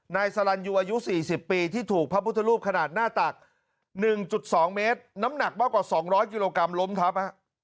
นายสลันยูอายุ๔๐ปีที่ถูกพระพุทธรูปขนาดหน้าตัก๑๒เมตรน้ำหนักมากกว่า๒๐๐กิโลกรัมล้มทับ